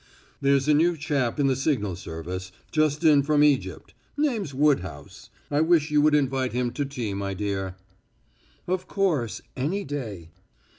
"There's a new chap in the signal service just in from Egypt name's Woodhouse. I wish you would invite him to tea, my dear." "Of course; any day."